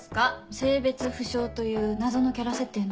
性別不詳という謎のキャラ設定の。